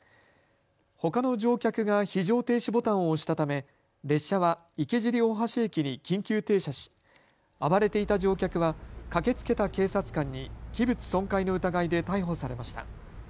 ほかの乗客が非常停止ボタンを押したため列車は池尻大橋駅に緊急停車し暴れていた乗客は駆けつけた警察官に器物損壊の疑いで逮捕されました。